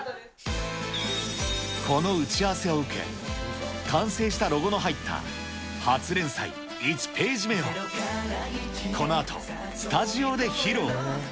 この打ち合わせを受け、完成したロゴの入った初連載１ページ目を、このあとスタジオで披露。